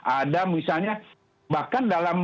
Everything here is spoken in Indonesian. ada misalnya bahkan dalam